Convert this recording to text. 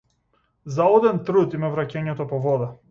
Залуден труд им е враќањето по вода.